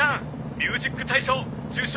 ミュージック大賞受賞